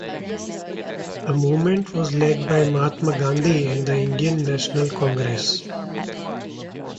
The movement was led by Mahatma Gandhi and the Indian National Congress.